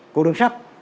cục đường sắt